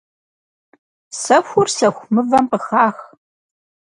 Сэхур сэху мывэм къыхах.